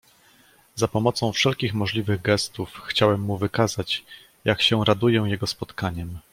"Za pomocą wszelkich możliwych gestów chciałem mu wykazać, jak się raduję jego spotkaniem."